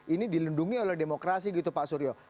ini dilindungi oleh demokrasi gitu pak suryo